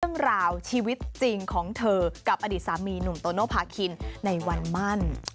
เรื่องราวชีวิตจริงของเธอกับอดีตสามีหนุ่มโตโนภาคินในวันมั่น